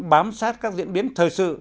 bám sát các diễn biến thời sự